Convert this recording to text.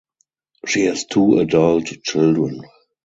She has two adult children.